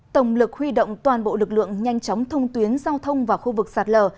tổng lực huy động toàn bộ lực lượng nhanh chóng thông tuyến giao thông vào khu vực sạt lở